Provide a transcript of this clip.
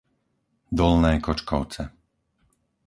Dolné Kočkovce